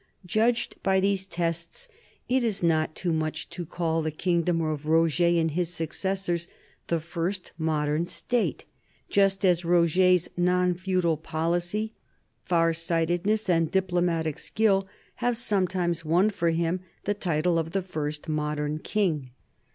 Judged by these tests, it is not too much to call the kingdom of Roger and his successors the first modern state, just as Roger's non feudal policy, far sightedness, and diplomatic skill have sometimes won for him the title of the first modern king.